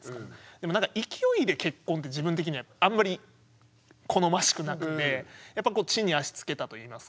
でも勢いで結婚って自分的にはあんまり好ましくなくてやっぱ地に足つけたといいますか。